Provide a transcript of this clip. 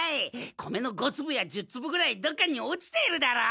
米の５つぶや１０つぶぐらいどっかに落ちているだろう。